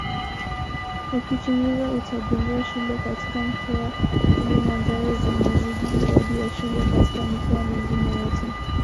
Ukichunguza utagundua shule katika mkoa Kilimanjaro zimezidi idadi ya shule katika mikoa mingine yote